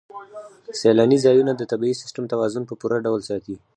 سیلاني ځایونه د طبعي سیسټم توازن په پوره ډول ساتي.